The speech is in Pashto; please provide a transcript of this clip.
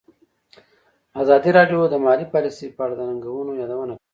ازادي راډیو د مالي پالیسي په اړه د ننګونو یادونه کړې.